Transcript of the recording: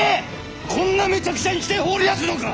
こんなめちゃくちゃにして放り出すのか！